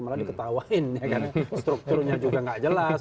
malah diketawain ya kan strukturnya juga nggak jelas